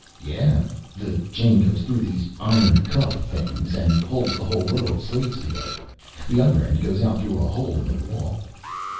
"Yeah, the chain goes through these iron cuff things and holds the whole row of slaves together, the other end goes out through a hole in the wall."